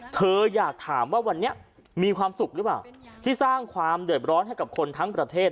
เธออยากถามว่าวันนี้มีความสุขหรือเปล่าที่สร้างความเดือดร้อนให้กับคนทั้งประเทศ